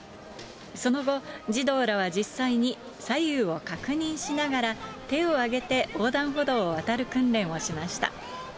その後、児童らは実際に左右を確認しながら、手を上げて、横断歩道を渡る訓練をしました。